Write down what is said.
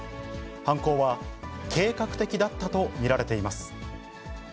犯行は計画的だったと見られています。